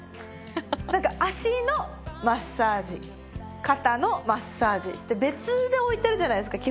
なんか足のマッサージ肩のマッサージって別で置いてあるじゃないですか